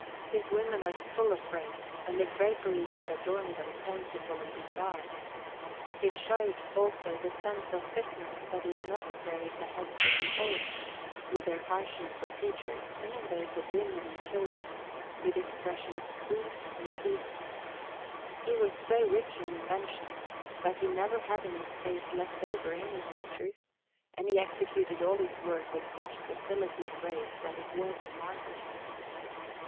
His women are full of grace, and the draperies that adorn them fanciful and bizarre. He showed, also, the sense of fitness that is necessary in the heads of the old, with their harshness of features, and in those of women and children, with expressions sweet and pleasing. He was so rich in invention, that he never had any space left over in his pictures, and he executed all his work with such facility and grace, that it was a marvel.